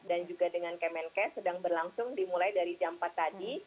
dan juga dengan kemenkes sedang berlangsung dimulai dari jam empat tadi